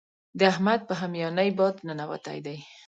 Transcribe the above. د احمد په هميانۍ باد ننوتی دی.